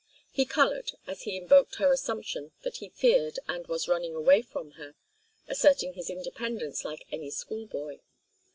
He colored as he invoked her assumption that he feared and was running away from her, asserting his independence like any school boy.